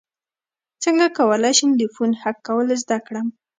څنګه کولی شم د فون هک کول زده کړم